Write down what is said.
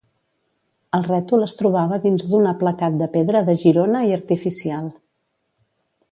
El rètol es trobava dins d'un aplacat de pedra de Girona i artificial.